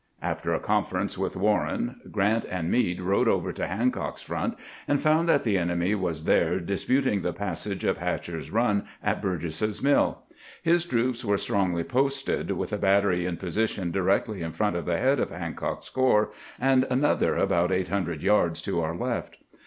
After a conference with Warren, Grant and Meade rode over to Hancock's front, and found that the enemy was there disputing the passage of Hatcher's Run at Burgess's Mill. His troops were strongly posted, with a battery in position directly in front of the head of Hancock's 309 310 CAMPAIGNING WITH GEANT corps, and another about eight hundred yards to our left.